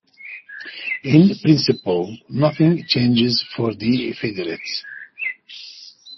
In principle, nothing changes for the federates.